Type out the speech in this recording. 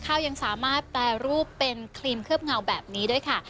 ยังสามารถแปรรูปเป็นครีมเคลือบเงาแบบนี้ด้วยค่ะ